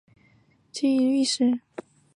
次年为山西道监察御史。